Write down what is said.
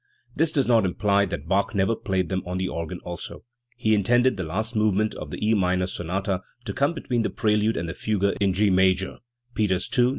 This does not imply that Bach never played them on the organ also. He intended the last movement of the E minor sonata to come between the prelude and the fugue in G major (Peters II, No.